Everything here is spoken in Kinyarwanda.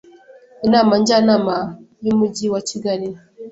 Inama Njyanama y Umujyi wa Kigali